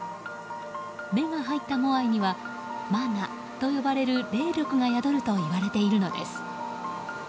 目が入ったモアイにはマナと呼ばれる霊力が宿るといわれているのです。